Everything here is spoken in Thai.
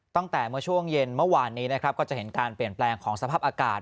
ตั้งแต่เมื่อช่วงเย็นเมื่อวานนี้นะครับก็จะเห็นการเปลี่ยนแปลงของสภาพอากาศ